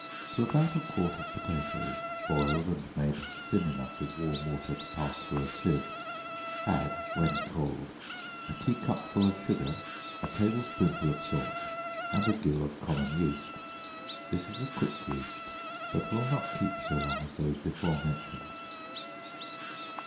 To about a quart of potatoes, boiled and made thin enough with warm water to pass through a sieve, add, when cold, a tea cupful of sugar, a table spoonful of salt, and a gill of common yeast. This is a quick yeast, but will not keep so long as those before mentioned.